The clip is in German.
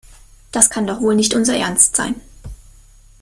Das kann doch wohl nicht unser Ernst sein.